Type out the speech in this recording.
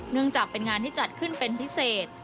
เนื่องจากเป็นงานที่จัดขึ้นเป็นพิเศษ